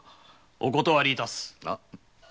お断り致す！